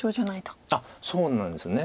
あっそうなんですよね。